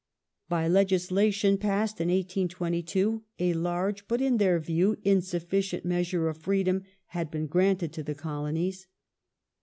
^ By legislation passed in 1822 a large, but in their view insufficient, measure of freedom had been granted to the Colonies.